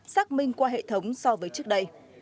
xác minh qua hệ thống so với trước đây